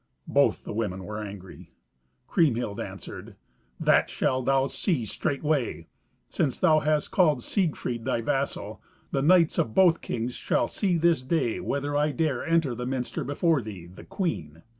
Both the women were angry. Kriemhild answered, "That shalt thou see straightway. Since thou hast called Siegfried thy vassal, the knights of both kings shall see this day whether I dare enter the minster before thee, the queen.